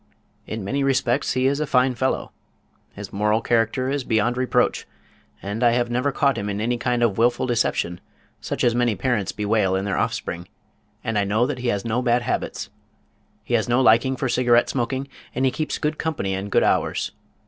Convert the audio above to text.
In many respects he is a fine fellow. His moral character is beyond reproach, and I have never caught him in any kind of a wilful deception such as many parents bewail in their offspring, and I know that he has no bad habits. He has no liking for cigarette smoking, and he keeps good company and good hours.